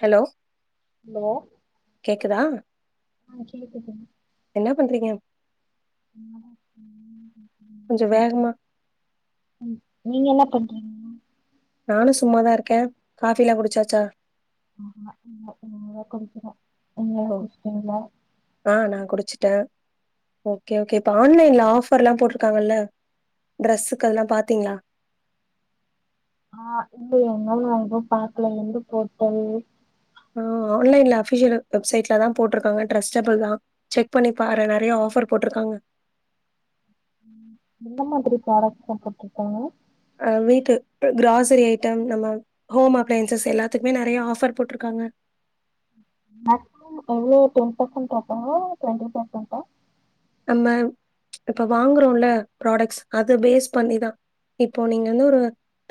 Hello hello கேக்குதா ஆ கேக்குது என்ன பண்றீங்க கொஞ்சோ வேகமா ம் நீங்க என்னா பண் நானும் சும்மாதா இருக்கேன் காஃபிலாம் குடிச்சாச்சா ஆஹான் இல்ல இனிமே தா குடிக்கணு ஓ ஆ நா குடிச்சி ட்ட ம் ஓகே ஓகே இப்ப ஆன்லைன்ல ஆஃப் ஆஃபர்ல்லாம் போட்ருக்காங்கல்ல ட்ரெஸ்ஸுக்கு அதுல்லாம் பாத்தீங்களா ஆ இல்லயே இன்னு ஒன்னும் பாக்கலயே எந்து போட்டது ஆ ஆன்லைன்ல அஃபிஷியல் வெப்சைட்லதா போட்ருக்காங்க டிரஸ்டபுள் தா செக் பண்ணி பாரு நறைய ஆஃபர் போட்ருக்காங்க எந்த மாதிரி ப்ராடெக்ட்ஸ்லாம் போட்ருக்காங்க அ வீட்டு கிராசரி ஐட்டம் நம்ம ஹோம் அப்ளைன்சஸ் எல்லாத்துக்குமே நறைய ஆஃபர் போட்ருக்காங்க ஆ எவ்ளோ டென் பர்சன்ட் ஆஃபரா டுவெண்ட்டி பர்சன்ட்டா நம்ம இப்ப வாங்குறோம்ல ப்ராடெக்ஸ் அது பேஸ் பண்ணிதா இப்போ நீங்க வந்து ஒரு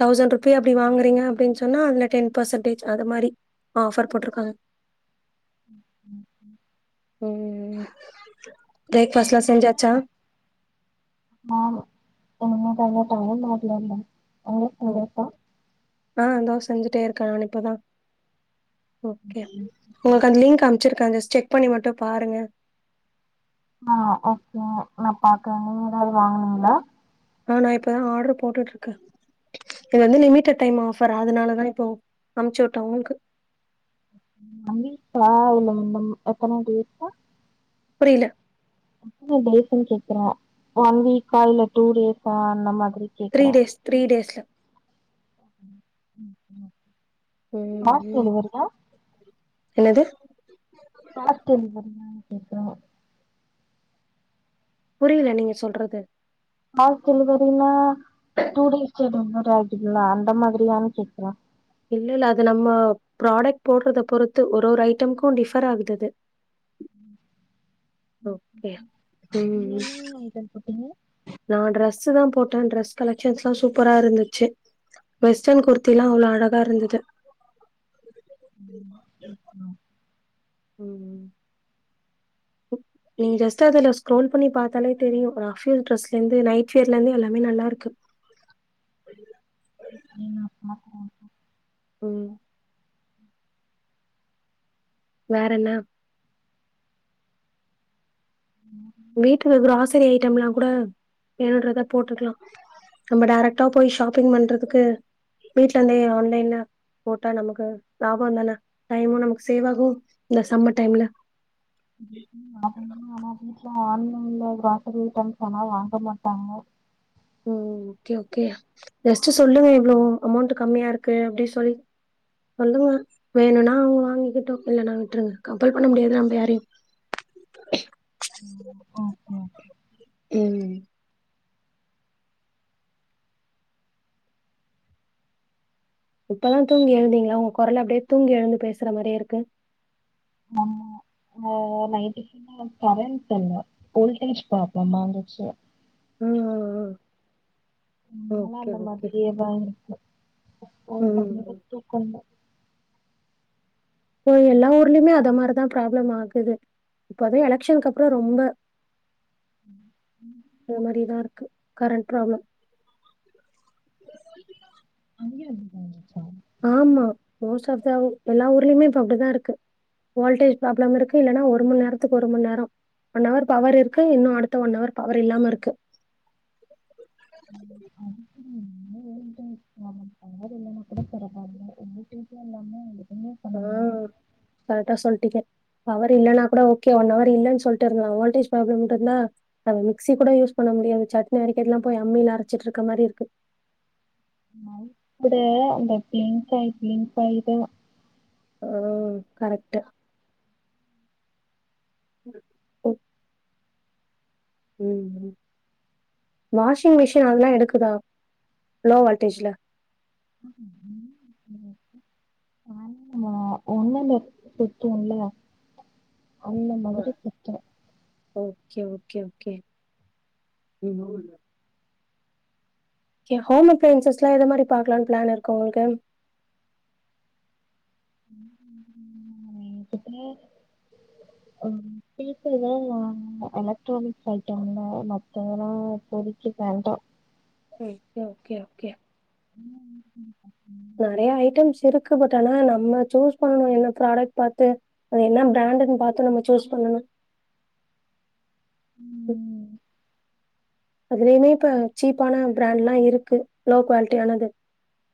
தௌசண்ட் ருப்பி அப்டி வாங்குறீங்க அப்டின்னு சொன்னா அதுல டென் பர்சன்டேஜ் அத மாரி ஆஃபர் போட்ருக்காங்க ம்ம் பிரேக்ஃபாஸ்ட்லாம் செஞ்சாச்சா ஒன்னும் [unintelligible] உங்க ஸ்டுடென்ட் ம். ஆஹ் ஆ இதோ செஞ்சுட்டே இருக்கே நா இப்பதா ஓகே உங்களுக்கு அந்த லிங்க் அனுப் வச்சிருக்காங்க ஜஸ்ட் செக் பண்ணி மட்டும் பாருங்க ஆஹ் ஓகேங்க நா பாக்குறேங் நீங்க ஏதாவது வாங்குனீங்களா ஆஹ் நா இப்பதா ஆர்டர் போட்டுட்டு இருக்கே இது வந்து லிமிட்டெடு டைம் ஆஃபர் அதனாலதா இப்ப அனுப்பிச்சி விட்டே உங்குளுக்கு [unintelligible] எத்தன டேட்டா புரியல எத்தனை டேஸ் னு கேக்கறே ஒன் வீக்கா இல்ல டூ டேஸா அந்த மாரி த்ரீ டேஸ் த்ரீ டேஸ்ல உம் உம் ம், ஃபாஸ்ட் ம். டெலிவரி ஆஹ் என்னது இருக்கறோம் புரியல நீங்க சொல்றது ஃபாஸ்ட் டெலிவரினா டூ டேஸ் [unintelligible] [unintelligible] அந்த மாதிரியானு கேக்கறே இல்ல, இல்ல. அது நம்ம ப்ராடக்ட் போடறத பொறுத்து ஒரு ஒரு ஐட்டமுக்கு டிஃபர் ஆகுது அது ஓகே நீங்க ம் என்ன ஐட்டம் போட்டீங்க நா ட்ரெஸு தா போட் ட டிரஸ் கலெக்க்ஷஸ்லா சூப்பரா இருந்துச்சு வெஸ்டர்ன் குர்த்தி எல்லா அவ்ளோ அழகா இருந்துது உம் உம் உம் நீ ஜஸ்ட் அதுல ஸ்க்ரோல் பண்ணி பாத்தாலே தெரியு ரஃப் யூஸ் ட்ரஸ்ல இருந்து நைட் வியர்ல இருந்து எல்லாமே நல்லாருக்கு ஆஹ் ஆஹ் உம் வேறென்ன வீட்டுக்கு கிராசரி ஐட்டம்லா கூட வேணுன்றத போட்டுக்கலா நம்ம டைரக்டா போய் ஷாப்பிங் பண்றதுக்கு வீட்ல இருந்தே ஆன்லைன்ல போட்டா நமக்கு லாபந்தானே டைமு நமக்கு சேவ் ஆகும் இந்த சம்மர் டைம்ல ம்ஹும் ஆனா வீட்ல ஆன்லைன்ல கிராசரி ஐட்டம்ஸ் ஆனா வாங்க மாட்டாங்க ம் ஓகே ஓகே ஜஸ்டு சொல்லுங்க இவ்ளோ அமௌண்ட் கம்மியா இருக்கு அப்டி சொல் சொல்லுங்க வேணுனா அவுங்க வாங்கிகுட்டு இல்லனா விட்டுருங்க கம்பல் பண்ண முடியாது நம்ப யாரையு ம். ஓகே உம் இப்பதா தூங்கி எழுந்தீங்களா உங்க குரல் அப்டியே தூங்கி எழுந்து பேசற மாரியே இருக்கு ஆஹ் நைட் ஃபுல்லா கரண்ட் இல்ல வோல்டேஜ் ப்ராப்ளமா இருந்துச்சு உம் ஹ் ஹ் நாலா அந்த மாதிரியேதா இருப்பே அப்பா செம ம் தூக்கன்டா இப்ப எல்லா ஊர்லயுமே அத மாதிரிதா ப்ராப்ளம் ஆகுது இப்பதா எலெக்ஷனுக்கு அப்புறம் ரொம்ப அது மாரிதா இருக்கு கரண்ட் ப்ராப்ளம் அங்கயு லோ [inaudible] ஆமா மோஸ்ட் ஆஃப் த எல்லா ஊர்லயுமே இப்போ அப்டிதா இருக்கு வோல்டேஜ் ப்ராப்ளம் இருக்கு இல்லன்னா ஒரு மண்ணேரத்துக்கு ஒரு மண்ணேரம் ஒன் ஹவர் பவர் இருக்கு இன்னு அடுத்த ஒன் ஹவர் பவர் இல்லாம இருக்கு [inaudible] பவர் இல்லன்னா கூட பரவால்ல வோல்டேஜூ இல்லாம எதுமே பண்ண முடியல ஆஹ் கரெட்டா சொல்ட்டீங்க பவர் இல்லைன்னா கூட ஓகே ஒன்னவர் இல்லன்னு சொல்ட்டு இருக்கலா வோல்டேஜ் ப்ராப்ளம்ட்டு இருந்தா நம மிக்சி கூட யூஸ் பண்ண முடியாது சட்னி அரக்கிறது எல்லா போய் அம்மியில அரச்சிட்டு இருக்க மாரி இருக்கு கூட அந்த ப்லிங்காய் ப்லிங்காய் தா உம் கரெக்டு உ உம் வாஷிங் மிஷின் அதல்லா எடுக்குதா லோ வோல்டேஜ்ல ம் ஹும் உம் [unintelligible] சுத்துல அந்த மாதிரி குத்தே கே ஓகே ஓகே ஓகே இன்னோ வர்ல ஓகே ஹோம் அப்ளயன்சஸ்லா எந்த மாரி பாக்கலானு பிளான் இருக்கு உங்களுக்கு [inaudible] என்கிட்ட அஹ் ஃபிலிப்ஸ்லதா எலக்ட்ரானிக்ஸ் ஐட்டம்ல மத்ததெல்லா இப்போதிக்கி வேண்டா ஓகே ஓகே [inaudible] நெறையா ஐட்டம்ஸ் இருக்கு பட் ஆனா நம்ம சூஸ் பண்ணனு என்ன ப்ராடக்ட் பாத்து அ என்ன பிராண்டுன்னு பாத்து நம்ம சூஸ் பண்ணணு ம் அதுலயுமே இப்ப சீப்பான பிராண்ட்லா இருக்கு லோ குவாலிட்டியானது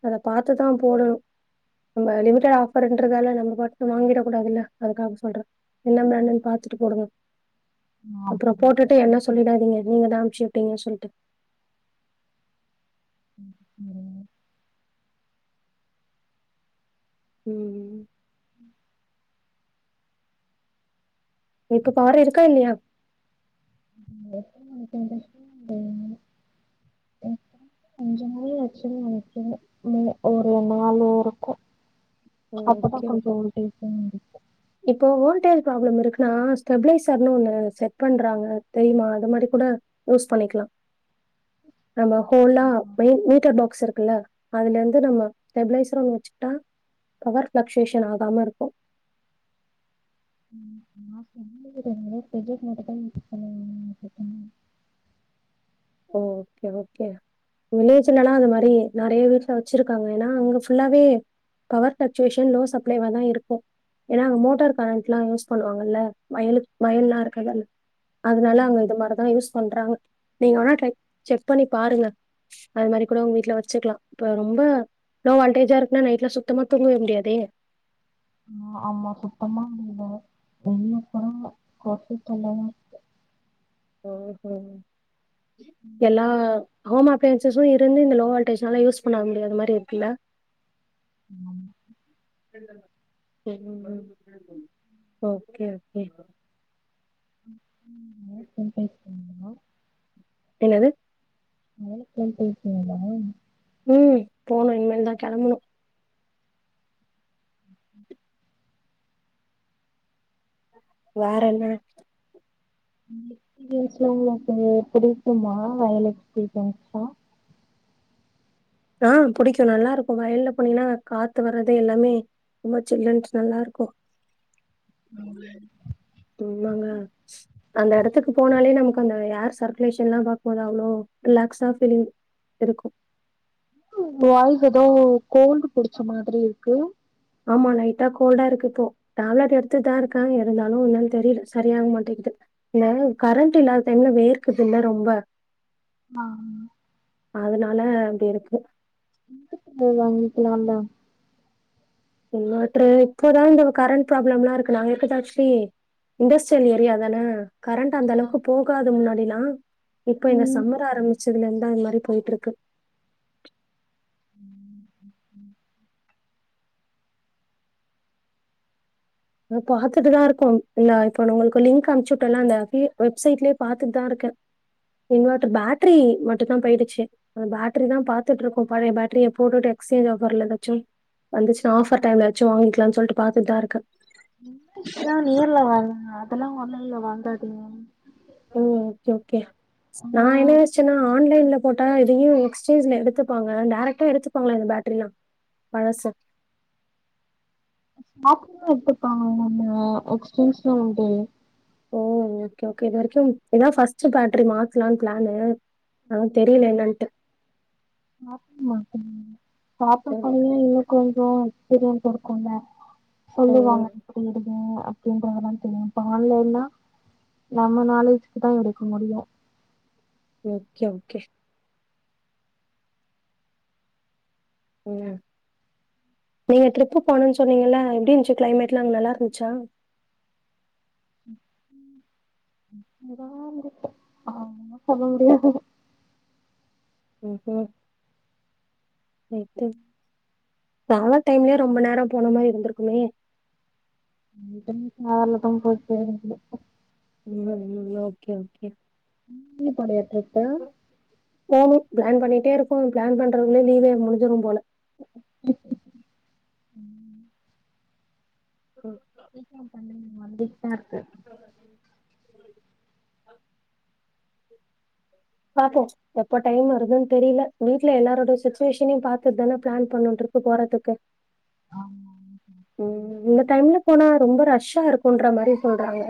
அத பாத்துதா போடணு நம்ம லிமிடட் ஆஃபர்ன்றதால நம்ம பாட்டுகு வாங்கிட கூடாதுல்ல அதுக்காக சொல்றே என்ன பிராண்டுன்னு பாத்துட்டு போடுங்க அப்புறொ அப்படின்ட்டு. போட்டுட்டு என்னச் சொல்லிடாதீங்க நீங்கதா அனுப்சு விட்டிங்க சொல்ட்டு உம் இப்ப பாறு இருக்கா இல்லையா [inaudible] ம். அஞ்சு மணி ஆச்சுன்னு நெனைக்குறே இல்ல ஒரு நாலு இருக்கு ஓகே ஓ இருந்துச்சு. இப்போ வோல்டேஜ் இருக் நா ஸ்டெபிளைசர்னு ஒண்ணு செட் பண்றாங்க தெரியுமா அது மாரி கூட யூஸ் பண்ணிக்கலா நம்ம ஹோல்லா ம். மெயின் மீட்டர் பாக்ஸ் இருக்குல்ல அதுல இருந்து நம்ம ஸ்டெபிளைசர் ஒண்ணு வச்சுகிட்டா பவர் பிளக்சுவேஷன் ஆகாம இருக்கு நா சொந்த வீடுனால ப்ரொஜெக்ட் மட்டுந்தா யூஸ் பண்ணுவாங்க [inaudible] ஓ ஓகே ஓகே வில்லேஜ்லலா அது மாரி நெறைய வீட்டுல வச்சிருக்காங்க ஏன்னா அங்க ஃபுல்லாவே பவர் பிளக்சுவேஷன் லோ சப்ளைவல் வா இருக்கு ஏன்னா அங்க மோட்டார் கரண்ட் எல்லா யூஸ் பண்ணுவாங்கல்ல வயலு வயல்லா இருக்குறதால்ல அதனால அங்க ம். இது மாரிதா யூஸ் பண்றாங்க நீங்க வேனா ட்ரை செக் பண்ணி பாருங்க அது மாரி கூட உங்க வீட்ல வச்சுக்கலா இப்ப ரொம்ப லோ வால்டேஜா இருக்குன்னா நைட்ல சுத்தமா தூங்கவே முடியாதே ஆஹ்மா சுத்தமா முடில வெளிய ஃபுல்லா கொசு தொல்லயா இருக்கு ம் ஹ்ம் ம். எல்ல ஹாமா ஃபேஸஸு இருந்து இந்த லோ வல்டேஜ்னால யூஸ் பண்ண முடியாத மாரி இருக்குல உம் உம் ஓகே ஓகே ம் [inaudible] சும்மா என்னது மாலுக்குலா போயிருக்கிங்களா உம் போணு இனிமேல் தா கெளம்பணு [inaudible] வேற என்ன எக்ஸ்பீரியன்ஸ்லா உங்களுக்கு பிடிக்குமா வயல் எக்ஸ்பீரியன்ஸ்லா ஆஹ் புடிக்கு நல்லா இருக்கு வயல்ல போனீங்கன்னா காத்து வர்றது எல்லாமே ரொம்ப சில்லுன்டு நல்லா இருக்கு ஆமாங்க அந்த எடத்துக்கு போனாலே நமக்கு அந்த ஏர் சர்க்குலேஷன்ல்லா பாக்கும்போது அவ்ளோ ரிலாக்சா ஃபீலிங் இருக்கு வாய்ஸ் எதோ கோல்டு புடிச்ச மாதிரி இருக்கு ஆமா லைட்டா கோல்டா இருக்குப்போ டேப்லெட் எடுத்துட்டுதா இருக்கே இருந்தாலு என்னன்னு தெரியல சரியக மாட்டேங்கிது இந்த கரண்ட் இல்லாத டைம்ல வேர்க்குது இல்ல ரொம்ப ஆமா. அதனால இப்டி இருக்கு [unintelligible] இன்வர்ட்டரு இப்போதா இந்த கரண்ட் ப்ராப்ளம்லா இருக்கு நாங்க இருக்குது ஆக்சுவலி இண்டஸ்ட்ரியல் ஏரியா தானே கரண்ட் அந்த அளவுக்கு போகாது முன்னா அப்டிலா இப்ப இந்த ம் சம்மர் ஆரம்பிச்சதுலருந் தா இந்த மாதிரி போயிட்டு இருக்கு அது பாத்துட்டுதா இருக்கோம் இல்ல இப்ப நா உங்களுக்கு லிங்க் அம்ச்சுவிட்டோல்ல அந்த வெப்சைட்லயே பாத்துட்டுதா இருக்கே இன்வர்டர் பேட்டரி மட்டும் தா போயிடுச்சு அந்த பேட்டரி தா பாத்துட்டு இருக்கோ பழைய பேட்டரிய போட்டுட்டு எக்ஸ்சேஞ் ஆபர்ல ஏதாச்சு வந்துச்சுன்னா ஆஃபர் டைம்லயாச்சு வாங்கிக்கலானு சொல்லிட்டு பாத்துட்டு தா இருக்கே [unintelligible] நேர்ல வாங்குங்க அதெல்லா ஆன்லைன்ல வாங்காதீங்க ம் ஓகே ஓகே நா ஆனா என்ன ஆச்சுன்னா ஆன்லைன்ல போட்டா எதையு எக்ஸேஞ்ச்ல எடுத்துப்பாங்க டேரெக்ட்டா எடுத்துப்பாங்கலா இந்த பேட்ரில்லா பழசு [unintelligible] எத்துப்பாங்க நம்ம எக்ஸ்சேஜ்லா உண்டு ஓ ஓகே ஓகே இது வரைக்கு இதா பர்ஸ்ட் பேட்டரி மாத்தலான்னு பிளானு அத தெரியல என்னட்டு [unintelligible] ம். [unintelligible] கொஞ்சம் [unintelligible] சொல்லுவாங்க ம். இப்டி இருக் ம் அப்படின்றதல்லா தெரியு இப்ப ஆன்லைன்னா நம்ம நாலேஜுக்கு தா எடுக்க முடியும் ஓகே ஓகே உம் நீங்க ட்ரிப்பு போனோன்னு சொன்னீங்கல்ல எப்டி இந்ச்சு கிளைமேட்லா அங்க நல்லா இருந்துச்சா [unintelligible] சொல்ல முடியாது உம் உம் ரைட்டு ட்ராவெல் டைம்லயே ரொம்ப நேரோ போன மாரி இருந்திருக்குமே [unintelligible] கார்ல தா [unintelligible] [unintelligible] ஓகே ஓகே [unintelligible] ட்ரிப் போனு பிளான் பண்ணிட்டே இருக்கோ பிளான் பண்றதுகுல்ல லீவே முடிஞ்சுரு போல ஓ சீக்ரோ பண்ணுங்க [unintelligible] [unintelligible] [unintelligible] அ பாப்போ எப்ப டைம் வருதுன் தெரில வீடல எல்லாரோட சுச்சுவேஷனையு பாத்துட்டு தான பிளான் பண்ணோ ட்ரிப் போறதுக்கு ஆமா ம் இந்த டைம்ல போனா ரொம்ப ரஷ்ஷா இருக்குன்ற மாரி சொல்றாங்க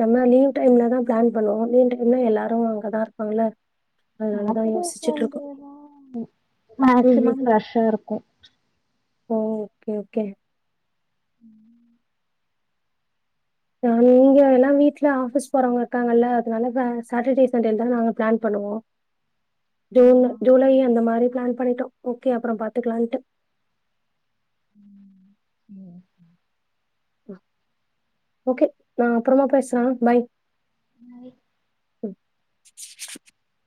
நம்ம லீவ் டைம்ல தா பிளான் பண்ணுவோ லீவ் டைம்ல எல்லாரோ அங்கதா இரு பாங்ள ஆப்பதா [unintelligible] மேக்சிமம் ரஷ்ஷா இருக்கோ ஓ ஓகே ஓகே உம் இங்க எல்லா வீட்ல ஆபீஸ் போறவங்க இருக்காங்கல்ல அதனால ச சாட்டடே சண்டேல தா நாங்க பிளான் பண்ணுவோ ஜூன் ஆ ஜூலை அந்த மாரி பிளான் பண்ணிட்டோ ஓகே அப்புரோ பாத்துக்கலான்ட்டு [inaudible] உம் ஓகே நா அப்பறமா பேசுறே பாய் [unintelligible] ம்